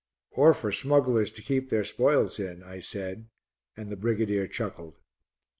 "Or for smugglers to keep their spoils in," I said; and the brigadier chuckled.